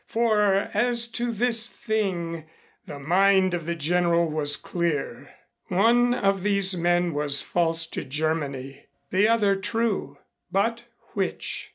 For, as to this thing, the mind of the General was clear. One of these men was false to Germany, the other true, but which?